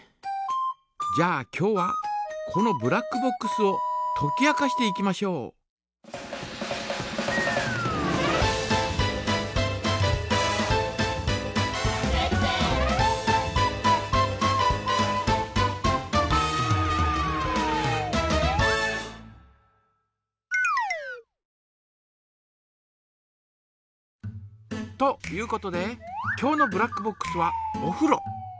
じゃあ今日はこのブラックボックスをとき明かしていきましょう。ということで今日のブラックボックスはおふろ。